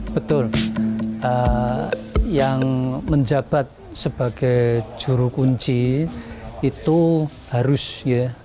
betul yang menjabat sebagai juru kunci itu harus ya